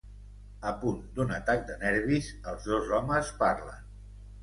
A punt d'un atac de nervis, els dos homes parlen.